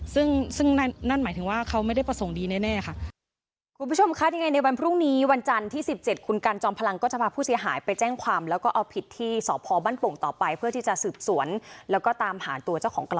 ซึ่งนั่นหมายถึงว่าเขาไม่ได้ประสงค์ดีแน่ค่ะ